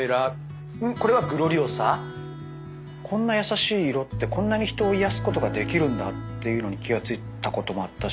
こんな優しい色ってこんなに人を癒やすことができるんだっていうのに気が付いたこともあったし。